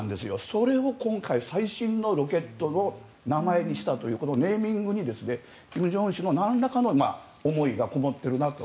それを今回、最新のロケットの名前にしたというネーミングに金正恩氏のなんらかの思いがこもっているなと。